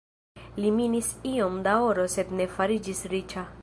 Li minis iom da oro sed ne fariĝis riĉa.